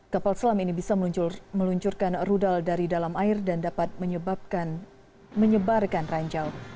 kapal selam ini bisa meluncurkan rudal dari dalam air dan dapat menyebarkan ranjau